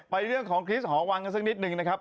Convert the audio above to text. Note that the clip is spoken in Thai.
เรื่องของคริสหอวังกันสักนิดนึงนะครับ